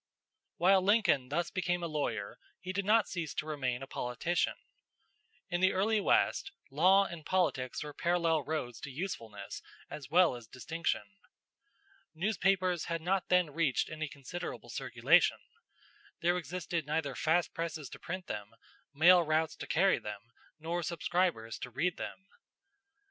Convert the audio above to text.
While Lincoln thus became a lawyer, he did not cease to remain a politician. In the early West, law and politics were parallel roads to usefulness as well as distinction. Newspapers had not then reached any considerable circulation. There existed neither fast presses to print them, mail routes to carry them, nor subscribers to read them.